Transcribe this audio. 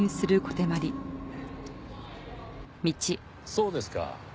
そうですか。